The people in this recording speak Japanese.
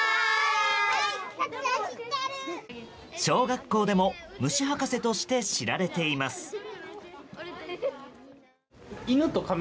小学校でも虫博士として知られています。